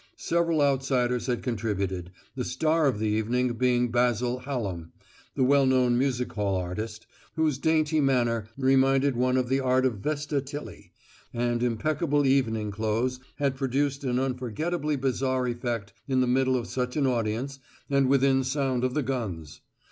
Several outsiders had contributed, the star of the evening being Basil Hallam, the well known music hall artist, whose dainty manner, reminding one of the art of Vesta Tilley, and impeccable evening clothes had produced an unforgettably bizarre effect in the middle of such an audience and within sound of the guns.